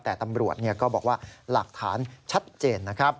แต่ตำรวจก็บอกว่าหลักฐานชัดเจนนะครับ